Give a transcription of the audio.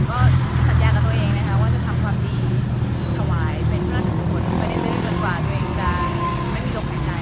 ก็สัญญากับตัวเองนะครับว่าจะทำความดีถวายเป็นชุมนาธิปุ่นไม่ได้ลืมจนกว่าตัวเองจะไม่มีหลงในใจ